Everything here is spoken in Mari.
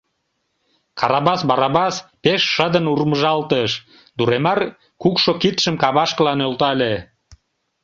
Карабас Барабас пеш шыдын урмыжалтыш, Дуремар кукшо кидшым кавашкыла нӧлтале.